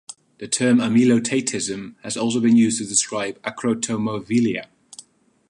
The term "amelotatism" has also been used to describe acrotomophilia.